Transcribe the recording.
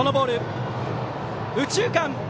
右中間！